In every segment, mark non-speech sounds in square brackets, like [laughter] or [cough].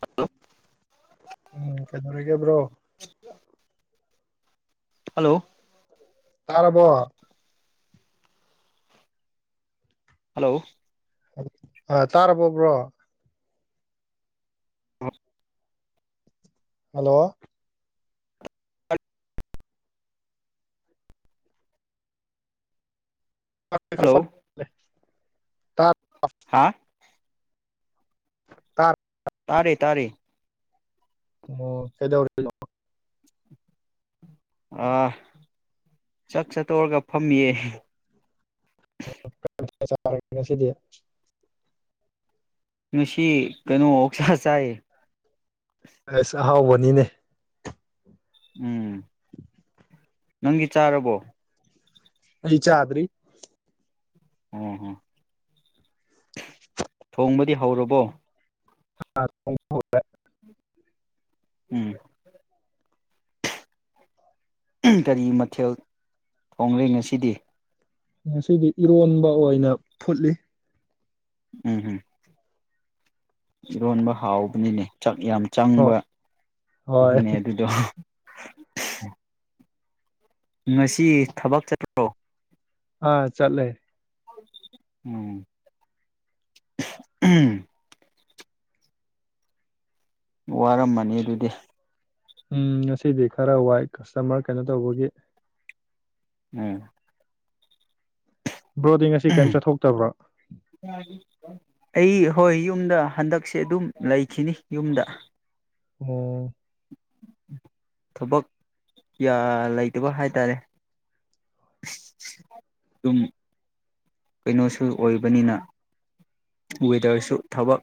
Hello. ꯎꯝ ꯀꯩꯗꯧꯔꯤꯒꯦ bro. [inaudible] Hello. ꯇꯥꯔꯕꯣ꯫ ꯍꯜꯂꯣ꯫ ꯑ ꯇꯥꯔꯕꯣ ꯕ꯭ꯔꯣ꯫ ꯍꯜꯂꯣ꯫ [unintelligible] ꯇꯥ ꯍꯥꯥ꯫ ꯇꯥ ꯇꯥꯔꯦ ꯇꯥꯔꯦ꯫ ꯑꯣ ꯀꯩꯗꯧꯔꯤꯅꯣ꯫ ꯑꯥ ꯆꯥꯛ ꯆꯠꯇꯧꯔꯒ ꯐꯝꯃꯤꯌꯦ꯫ [unintelligible] ꯉꯁꯤꯗꯤ꯫ ꯉꯁꯤ ꯀꯩꯅꯣ ꯑꯣꯛꯁꯥꯥ ꯆꯥꯏꯌꯦ꯫ ꯑꯦꯁ ꯑꯍꯥꯎꯕꯅꯤꯅꯦ꯫ ꯎꯝ꯫ [inaudible] ꯅꯪꯗꯤ ꯆꯥꯔꯕꯣ꯫ ꯑꯩ ꯆꯥꯗ꯭ꯔꯤ꯫ ꯎꯝ ꯍꯝ꯫ ꯊꯣꯡꯕꯗꯤ ꯍꯧꯔꯕꯣ꯫ ꯑꯥ ꯊꯣꯡ ꯍꯧꯔꯦ꯫ ꯎꯝ꯫ ꯀꯔꯤ ꯃꯊꯦꯜ ꯊꯣꯡꯂꯦ ꯉꯁꯤꯗꯤ꯫ ꯉꯁꯤꯗꯤ ꯏꯔꯣꯟꯕ ꯑꯣꯏꯅ ꯐꯨꯠꯂꯤ꯫ ꯎꯝ ꯍꯝ꯫ ꯏꯔꯣꯟꯕ ꯍꯥꯎꯕꯅꯤꯅꯦ ꯆꯥꯛ ꯌꯥꯝ ꯍꯣꯏ ꯆꯪꯕ ꯍꯣꯏ ꯅꯦ ꯑꯗꯨꯗꯣ꯫ [inaudible] ꯉꯁꯤ ꯊꯕꯛ ꯆꯠꯄ꯭ꯔꯣ꯫ ꯑꯥ ꯆꯠꯂꯦ꯫ ꯎꯝ ꯎꯝ꯫ ꯋꯥꯔꯝꯃꯅꯤ ꯑꯗꯨꯗꯤ ꯎꯝ ꯉꯁꯤꯗꯤ ꯈꯔ ꯋꯥꯏ ꯀꯁꯇꯃꯔ ꯀꯩꯅꯣ ꯇꯧꯕꯒꯤ ꯎꯝ ꯕ꯭ꯔꯣꯗꯤꯡ ꯑꯁꯤ ꯀꯔꯤꯝ ꯆꯠꯊꯣꯛꯇꯕ꯭ꯔꯥ ꯑꯩ ꯍꯣꯏ ꯌꯨꯝꯗ ꯍꯟꯗꯛꯁꯦ ꯑꯗꯨꯝ ꯂꯩꯈꯤꯅꯤ ꯌꯨꯝꯗ ꯑꯣ ꯊꯕꯛ ꯌꯥ ꯂꯩꯇꯕ ꯍꯥꯏ ꯇꯥꯔꯦ ꯑꯗꯨꯝ ꯀꯩꯅꯣꯁꯨ ꯑꯣꯏꯕꯅꯤꯅ ꯋꯦꯗꯔꯁꯨ ꯊꯕꯛ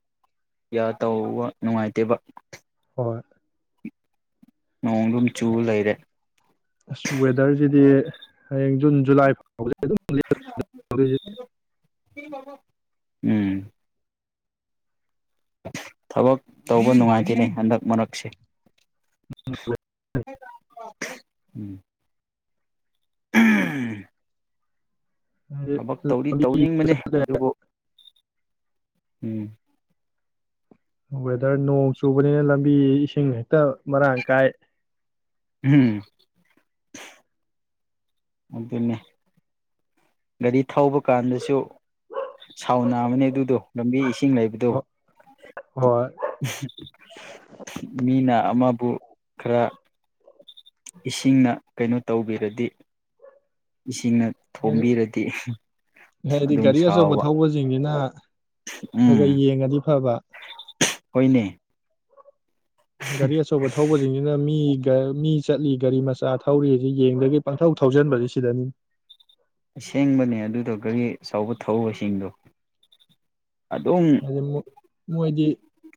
ꯌꯥ ꯇꯧꯕ ꯅꯨꯡꯉꯥꯏꯇꯦꯕ ꯍꯣꯏ ꯅꯣꯡꯒꯨꯝ ꯆꯨ ꯂꯩꯩꯔꯦ ꯑꯁ ꯋꯦꯗꯔꯁꯤꯗꯤ ꯍꯌꯦꯡ ꯖꯨꯟ ꯖꯨꯂꯥꯏ ꯐꯥꯎ [unintelligible] ꯎꯝ ꯊꯕꯛ ꯇꯧꯕ ꯅꯨꯡꯉꯥꯏꯈꯤꯅꯤ ꯍꯟꯗꯛ ꯃꯔꯛꯁꯦ ꯎꯝ ꯎꯝ ꯊꯕꯛ ꯇꯧꯔꯤ ꯇꯧꯅꯤꯡꯕꯅꯦ ꯑꯗꯨꯕꯨ ꯎꯝ ꯋꯦꯗꯔ ꯅꯣꯡ ꯆꯨꯕꯅꯤꯅ ꯂꯝꯕꯤ ꯏꯁꯤꯡ ꯍꯦꯛꯇ ꯃꯔꯥꯡ ꯀꯥꯏ ꯎꯝ ꯑꯗꯨꯅꯦ ꯒꯥꯔꯤ ꯊꯧꯕ ꯀꯥꯟꯗꯁꯨ ꯁꯥꯎꯅꯥꯑꯕꯅꯦ ꯑꯗꯨꯗꯣ ꯂꯝꯕꯤ ꯏꯁꯤꯡ ꯏꯁꯤꯡ ꯂꯩꯕꯗꯣ ꯍꯣ ꯍꯣꯏ ꯃꯤꯅ ꯑꯃꯕꯨ ꯈꯔ ꯏꯁꯤꯡꯅ ꯀꯩꯅꯣ ꯇꯧꯕꯤꯔꯗꯤ ꯏꯁꯤꯡꯅ ꯍꯥꯏꯗꯤ ꯊꯣꯝꯕꯤꯔꯗꯤ ꯍꯥꯏꯗꯤ ꯑꯗꯨꯝ ꯒꯥꯔꯤ ꯑꯆꯧꯕ ꯁꯥꯎꯕ ꯊꯧꯕꯁꯤꯡꯁꯤꯅ ꯈꯔ ꯈꯔ ꯎꯝ ꯌꯦꯡꯉꯗꯤ ꯐꯕ ꯍꯣꯏꯅꯦ ꯒꯥꯔꯤ ꯑꯆꯧꯕ ꯊꯧꯕꯁꯤꯡꯁꯤꯅ ꯃꯤ ꯃꯤ ꯆꯠꯂꯤ ꯒꯥꯔꯤ ꯃꯆꯥ ꯊꯧꯔꯤꯁꯤ ꯌꯦꯡꯗꯒꯤ ꯄꯪꯊꯧ ꯊꯧꯁꯤꯟꯕꯁꯦ ꯁꯤꯗꯅꯤ ꯑꯁꯦꯡꯕꯅꯦ ꯑꯗꯨꯗ ꯒꯥꯔꯤ ꯑꯆꯕ ꯊꯧꯕꯁꯤꯡꯗꯣ ꯑꯗꯨꯝ ꯑ ꯃꯣꯏꯗꯤ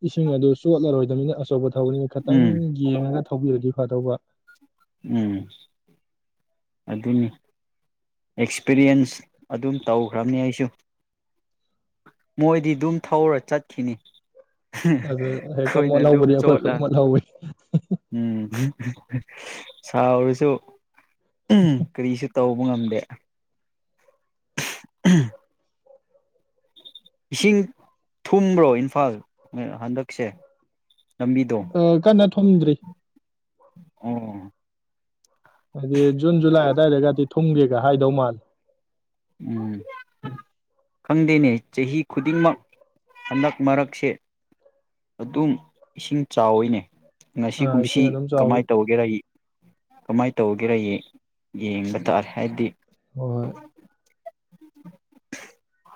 ꯏꯁꯤꯡ ꯑꯗꯨ ꯆꯣꯠꯂꯔꯣꯏꯗꯕꯅꯤꯅ ꯑꯆꯧꯕ ꯊꯧꯔꯤꯅꯤ ꯈꯤꯇꯪ ꯎꯝ ꯌꯦꯡꯉꯒ ꯊꯧꯕꯤꯔꯗꯤ ꯐꯗꯧꯕ ꯎꯝ ꯑꯗꯨꯅꯤ ꯑꯦꯛꯁꯄꯤꯔꯤꯌꯦꯟꯁ ꯑꯗꯨꯝ ꯇꯧꯈ꯭ꯔꯕꯅꯤ ꯑꯩꯁꯨ ꯃꯣꯏꯗꯤ ꯑꯗꯨꯝ ꯊꯧꯔ ꯆꯠꯈꯤꯅꯤ ꯑꯗꯨ ꯍꯦꯛꯇ ꯑꯩꯈꯣꯏꯅ ꯑꯗꯨꯝ ꯃꯣꯠꯍꯧꯕꯗꯤ ꯑꯩꯈꯣꯏꯈꯛ ꯆꯣꯠꯂ ꯃꯣꯠꯍꯧꯋꯤ ꯎꯝ ꯁꯥꯎꯔꯁꯨ ꯀꯔꯤꯁꯨ ꯇꯧꯕ ꯉꯝꯗꯦ ꯏꯁꯤꯡ ꯊꯨꯝꯕ꯭ꯔꯣ ꯏꯝꯐꯥꯜ ꯍꯟꯗꯛꯁꯦ ꯂꯝꯕꯤꯗꯣ ꯑ ꯀꯟꯅ ꯊꯣꯝꯗ꯭ꯔꯤ ꯑ ꯑꯗꯤ ꯖꯟ ꯨꯂꯥꯏ ꯑꯗꯥꯏꯗꯦꯒ ꯊꯨꯝꯒꯦꯒ ꯍꯥꯏꯗꯧ ꯃꯥꯜꯂꯦ ꯎꯝ ꯈꯪꯗꯦꯅꯦ ꯆꯍꯤ ꯈꯨꯗꯤꯡꯃꯛ ꯍꯟꯗꯛ ꯃꯔꯛꯁꯦ ꯑꯗꯨꯝ ꯏꯁꯤꯡ ꯆꯥꯎꯋꯤꯅꯦ ꯉꯁꯤ ꯑꯥ ꯀꯨꯝꯁꯤ ꯏꯁꯤꯡ ꯑꯗꯨꯝ ꯆꯥꯎꯋꯤ ꯀꯃꯥꯏꯅ ꯇꯧꯒꯦꯔ ꯌꯦ ꯀꯃꯥꯏꯅ ꯇꯧꯒꯦꯔꯥ ꯌꯦꯡ ꯌꯦꯡꯕ ꯇꯥꯔꯦ ꯍꯥꯏꯗꯤ꯫ ꯍꯣꯏ [unintelligible]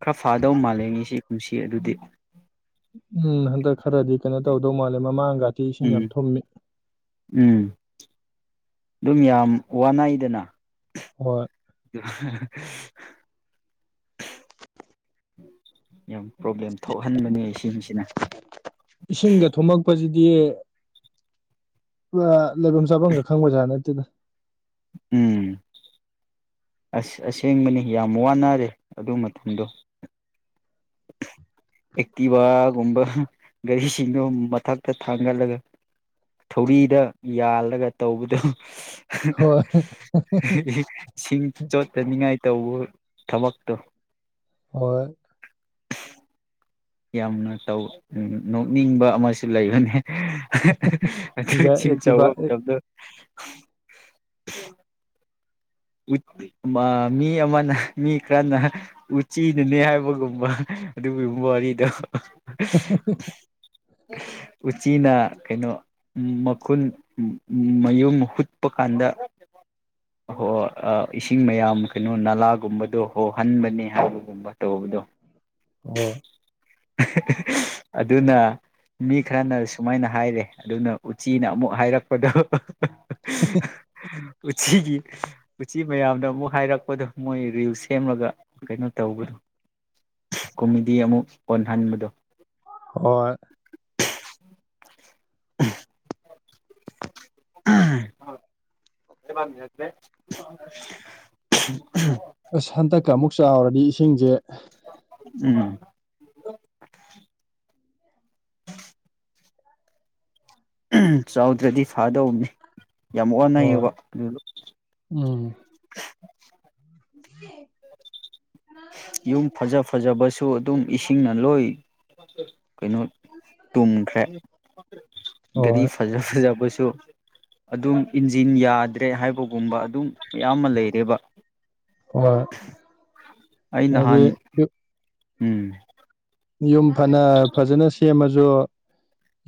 ꯈꯔ ꯐꯥꯗꯧ ꯃꯥꯂꯦ ꯉꯁꯤ ꯀꯨꯝꯁꯤ ꯑꯗꯨꯗꯤ ꯎꯝ ꯍꯟꯗꯛ ꯈꯔꯗꯤ ꯀꯩꯅꯣ ꯇꯧꯗꯧ ꯃꯥꯜꯂꯦ ꯃꯃꯥꯡ [unintelligible] ꯏꯁꯤꯡ ꯎꯝ ꯌꯥꯝ ꯊꯨꯝꯃꯤ ꯎꯝ ꯑꯗꯨꯝ ꯌꯥꯝ ꯋꯥꯅꯩꯗꯅ ꯍꯣꯏ [unintelligible] [unintelligible] ꯄ꯭ꯔꯣꯕ꯭ꯂꯦꯝ ꯊꯣꯛꯍꯟꯕꯅꯦꯁꯤꯡꯁꯦ [unintelligible] ꯏꯁꯤꯡꯒ ꯊꯨꯝꯃꯛꯄꯁꯤꯗꯤ [unintelligible] ꯂꯩꯐꯝ ꯆꯥꯐꯝꯒ ꯈꯪꯕꯖꯥꯠ ꯅꯠ ꯑꯗꯨꯅ ꯎꯝ ꯑꯁ ꯑꯁꯦꯡꯕꯅꯤ ꯌꯥꯝ ꯋꯥꯅꯔꯦ ꯑꯗꯨ ꯃꯇꯝꯗꯣ ꯑꯦꯛꯇꯤꯚꯥꯒꯨꯝꯕ ꯒꯥꯔꯤꯁꯤꯡꯗꯣ ꯃꯊꯛꯇ ꯊꯥꯡꯒꯠꯂꯒ ꯊꯧꯔꯤꯗ ꯌꯥꯜꯂꯒ ꯇꯧꯕꯗꯣ ꯍꯣꯏ ꯁꯤꯡ ꯆꯣꯠꯇꯅꯤꯡꯉꯥꯏ ꯇꯧꯕ ꯊꯕꯛꯇꯣ ꯍꯣꯏ ꯌꯥꯝꯅ ꯇꯧ ꯅꯣꯛꯅꯤꯡꯕ ꯑꯃꯁꯨ ꯂꯩꯕꯅꯦ ꯑꯗꯨꯆ ꯆꯤꯡ ꯆ ꯑꯦꯛꯇꯤꯚ ꯑꯃ ꯇꯗꯣ [unintelligible] ꯃꯤ ꯑꯃꯅ ꯃꯤ ꯈꯔꯅ ꯎꯆꯤꯅꯅꯦ ꯍꯥꯏꯕꯒꯨꯝꯕ ꯑꯗꯨꯒꯤ ꯋꯥꯔꯤꯗꯣ [unintelligible] ꯎꯆꯤꯅ ꯀꯩꯅꯣ ꯃꯈꯨꯟ ꯃꯌꯨꯝ ꯍꯨꯠꯄ ꯀꯥꯟꯗ ꯍꯣꯏ ꯏꯁꯤꯡ ꯃꯌꯥꯝ ꯀꯩꯅꯣ ꯅꯂꯥꯒꯨꯝꯕꯗꯣ ꯍꯣꯍꯟꯕꯅꯦ ꯍꯥꯏꯕꯒꯨꯝꯕ ꯇꯧꯕꯗꯣ ꯍꯣꯏ [unintelligible] ꯑꯗꯨꯅ ꯃꯤ ꯈꯔꯅ ꯁꯨꯃꯥꯏꯅ ꯍꯥꯏꯔꯦ ꯑꯗꯨꯅ ꯎꯆꯤꯅ ꯑꯃꯨꯛ ꯍꯥꯏꯔꯛꯄꯗꯣ [unintelligible] ꯎꯆꯤꯒꯤ ꯎꯆꯤ ꯃꯌꯥꯝꯗ ꯑꯃꯨꯛ ꯍꯥꯏꯔꯛꯄꯗꯣ ꯃꯣꯏ ꯔꯤꯜꯁ ꯁꯦꯝꯂꯒ ꯀꯩꯅꯣ ꯇꯧꯕꯗꯣ ꯀꯣꯃꯦꯗꯤ ꯑꯃꯨꯛ ꯑꯣꯟꯍꯟꯕꯗꯣ ꯍꯣꯏ [unintelligible] ꯑꯁ ꯍꯟꯗꯛꯀ ꯑꯃꯨꯛ ꯆꯥꯎꯔꯗꯤ ꯏꯁꯤꯡꯁꯦ ꯎꯝ ꯆꯥꯎꯗ꯭ꯔꯗꯤ ꯐꯥꯗꯧꯅꯤ ꯌꯥꯝ ꯍꯣꯏ ꯋꯥꯟꯅꯌꯦꯕ ꯎꯝ ꯌꯨꯝ ꯐꯖ ꯐꯖꯕ ꯁꯨ ꯑꯗꯨꯝ ꯏꯁꯤꯡꯅ ꯂꯣꯏ ꯀꯩꯅꯣ ꯇꯨꯝꯈ꯭ꯔꯦ ꯒꯥꯔꯤ ꯍꯣꯏ ꯐꯖ ꯐꯖꯕꯁꯨ ꯑꯗꯨꯝ ꯏꯟꯖꯤꯟ ꯌꯥꯗ꯭ꯔꯦ ꯍꯥꯏꯕ ꯒꯨꯝꯕ ꯑꯗꯨꯝ ꯃꯌꯥꯝ ꯑꯃ ꯂꯩꯔꯦꯕ ꯍꯣꯏ ꯑꯩ ꯍꯥꯏꯗꯤ ꯅꯍꯥꯟ ꯌꯨ ꯎꯝ ꯌꯨꯝ ꯐꯅ ꯐꯖꯅ ꯁꯦꯝꯃꯁꯨ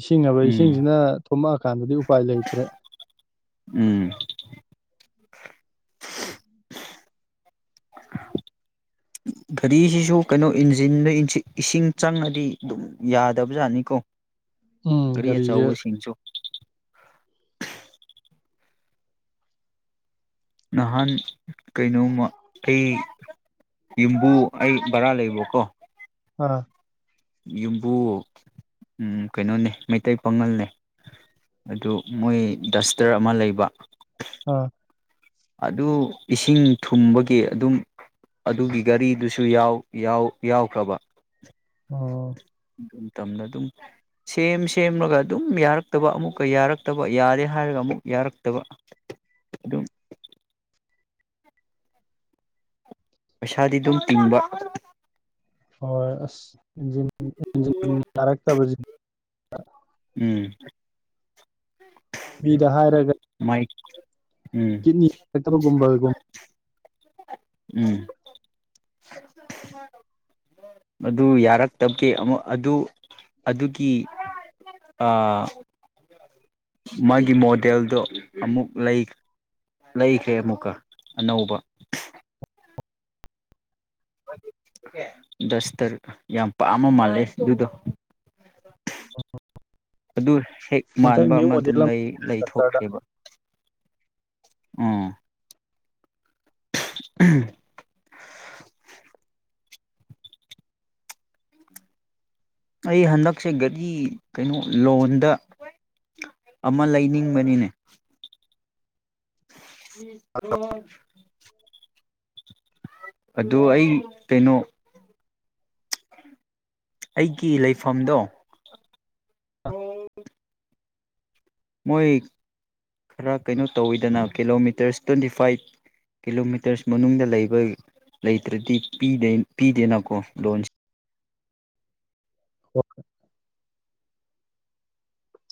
ꯏꯁꯤꯡ ꯍꯥꯏꯕ ꯎꯝ ꯏꯁꯤꯡꯁꯤꯅ ꯊꯨꯝꯃꯛꯑꯀꯥꯟꯗꯗꯤ ꯎꯄꯥꯏ ꯂꯩꯇ꯭ꯔꯦ ꯎꯝ ꯒꯥꯔꯤꯁꯤꯁꯨ ꯀꯩꯅꯣ ꯏꯟꯖꯤꯟꯗ ꯏꯁꯤꯡ ꯆꯪꯉꯗꯤ ꯑꯗꯨꯝ ꯌꯥꯗꯕꯖꯥꯠꯅꯤꯀꯣ ꯎꯝ ꯒꯥꯔꯤ ꯒꯥꯔꯤꯁꯦ ꯑꯆꯧꯕ ꯁꯤꯡꯁꯨ ꯅꯍꯥꯟ ꯀꯩꯅꯣꯃ ꯑꯩ ꯌꯨꯝꯕꯨ ꯑꯩ ꯕꯔꯥ ꯂꯩꯕꯀꯣ ꯑ ꯌꯨꯝꯕꯨ ꯀꯩꯅꯣꯅꯦ ꯃꯩꯇꯩ ꯄꯥꯉꯜꯅꯦ ꯑꯗꯨ ꯃꯣꯏ ꯗꯁꯇꯔ ꯑꯃ ꯂꯩꯕ ꯑ ꯑꯗꯨ ꯏꯁꯤꯡ ꯊꯨꯝꯕꯒꯤ ꯑꯗꯨꯝ ꯑꯗꯨꯒꯤ ꯒꯥꯔꯤꯗꯨꯁꯨ ꯌꯥꯎ ꯌꯥꯎ ꯌꯥꯎꯈ꯭ꯔꯕ ꯑꯣ ꯇꯝꯅ ꯑꯗꯨꯝ ꯁꯦꯝ ꯁꯦꯝꯃꯒ ꯑꯗꯨꯝ ꯌꯥꯔꯛꯇꯕ ꯑꯃꯨꯛꯀ ꯌꯥꯔꯛꯇꯕ ꯌꯥꯔꯦ ꯍꯥꯏꯔꯒ ꯑꯃꯨꯛ ꯌꯥꯔꯛꯇꯕ ꯑꯗꯨꯝ ꯄꯩꯁꯥꯗꯤ ꯑꯗꯨꯝ ꯇꯤꯡꯕ ꯍꯣꯏ ꯑꯁ ꯏꯟꯖꯤꯟ ꯏꯟꯖꯤꯟ ꯌꯥꯔꯛꯇꯕꯁꯦ [unintelligible] ꯎꯝ ꯤꯗ ꯍꯥꯏꯔꯒ ꯃꯥꯏꯛ ꯀꯒꯨꯝꯕ [unintelligible] ꯎꯝ ꯑꯗꯨ ꯌꯥꯔꯛꯇꯕꯒꯤꯦ ꯑꯃꯨꯛ ꯑꯗꯨ ꯑꯗꯨꯒꯤ ꯃꯥꯒꯤ ꯃꯣꯗꯦꯜꯗꯣ ꯑꯃꯨꯛ ꯂꯩꯈ꯭ꯔꯦ ꯑꯃꯨꯛꯀ ꯑꯅꯧꯕ ꯗꯁꯇꯔꯛ ꯌꯥꯝ ꯄꯥꯃ ꯃꯥꯜꯂꯦ ꯑꯗꯨꯗꯣ ꯑꯗꯨ ꯍꯦꯛ ꯍꯟꯗꯛ ꯃꯥꯟꯕ ꯅ꯭ꯌꯨ ꯑꯃ ꯑꯗꯨꯝ ꯃꯣꯗꯦꯜ ꯗꯥꯛꯇꯔꯗ ꯂꯩꯊꯣꯛꯈ꯭ꯔꯦꯕ ꯑꯝ ꯎꯝ ꯑꯩ ꯍꯟꯗꯛꯁꯦ ꯒꯥꯔꯤ ꯀꯩꯅꯣ ꯂꯣꯟꯗ ꯑꯃ ꯂꯩꯅꯤꯡꯕꯅꯤꯅꯦ [inaudible] ꯑꯗꯨ ꯑꯩ ꯀꯩꯅꯣ ꯑꯩꯒꯤ ꯂꯩꯐꯝꯗꯣ ꯃꯣꯏ ꯈꯔ ꯀꯩꯅꯣ ꯇꯧꯋꯤꯗꯅ ꯀꯤꯂꯣꯃꯤꯇꯔꯁ ꯇ꯭ꯋꯦꯟꯇꯤ ꯐꯥꯏꯚ ꯀꯤꯂꯣꯃꯤꯇꯔꯁ ꯃꯅꯨꯡꯗ ꯂꯩꯕ ꯂꯩꯇ꯭ꯔꯗꯤ ꯄꯤꯗꯦꯅꯀꯣ ꯂꯣꯟꯁ ꯑꯣ [unintelligible]